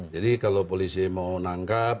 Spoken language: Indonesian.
jadi kalau polisi mau nangkap